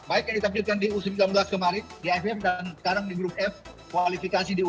baik yang ditampilkan di u sembilan belas kemarin di aff dan sekarang di grup f kualifikasi di u sembilan belas